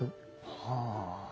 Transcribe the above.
はあ。